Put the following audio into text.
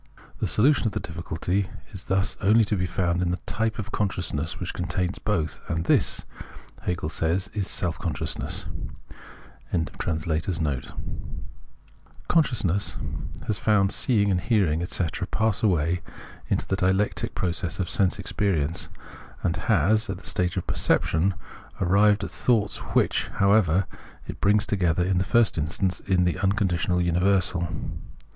The solution of the diffi culty is thus only to be found in the type of consciousness which contains both — and this, Hegel says, is self consciousness.] CONSCIOUSNESS lias found "seeing" and "hearing," etc., pass away in the dialectic process of sense experience, and has, at the stage of perception, arrived at thoughts which, however, it brings together in the first instance in the unconditioned universal.